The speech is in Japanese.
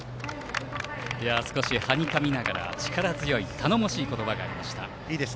少し、はにかみながら力強い頼もしい言葉がありました。